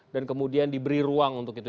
dan kemudian diberi ruang untuk itu